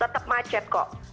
tetap macet kok